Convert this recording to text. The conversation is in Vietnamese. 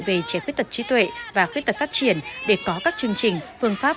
về trẻ khuyết tật trí tuệ và khuyết tật phát triển để có các chương trình phương pháp